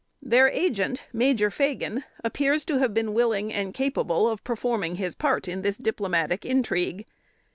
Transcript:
Their agent, Major Phagan, appears to have been willing and capable of performing his part in this diplomatic intrigue.